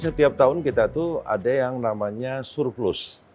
setiap tahun kita tuh ada yang namanya surplus